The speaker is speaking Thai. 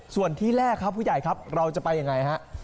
ส่วนที่แรกครับผู้ใหญ่ครับเราจะไปยังไงฮะ